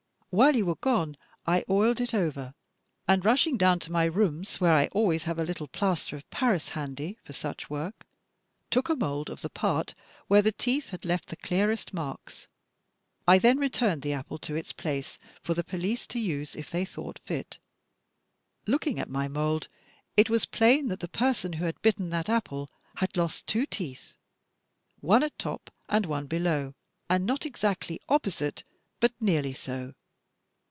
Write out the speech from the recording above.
While you were gone, I oiled it over, and, rushing down to my rooms, where I always have a little plaster of Paris handy for such work, took a mould of the part where the teeth had left the clearest marks. I then returned the apple to its place for the police to use if they thought fit. Looking at my mould, it was plain that the person who had bitten that apple had lost two teeth, one at top and one below, not exactly opposite, but nearly so.